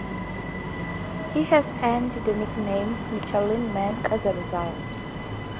He has earned the nickname "Michelin Man" as a result.